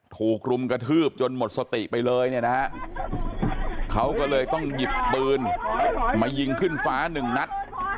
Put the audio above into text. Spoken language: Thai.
ถูกรุมกระทืบจนหมดสติไปเลยเนี่ยนะฮะเขาก็เลยต้องหยิบปืนมายิงขึ้นฟ้าหนึ่งนัด